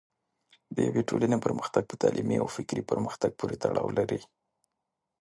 د یوې ټولنې پرمختګ په تعلیمي او فکري پرمختګ پورې تړاو لري.